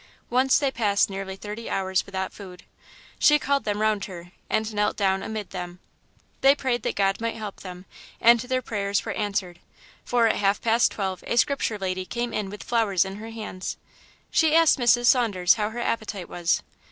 Once they passed nearly thirty hours without food. She called them round her, and knelt down amid them: they prayed that God might help them; and their prayers were answered, for at half past twelve a Scripture lady came in with flowers in her hands. She asked Mrs. Saunders how her appetite was.